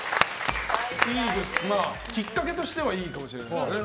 きっかけとしてはいいかもしれませんね。